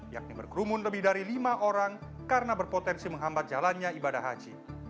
yakni berkerumun lebih dari lima orang karena berpotensi menghambat jalannya ibadah haji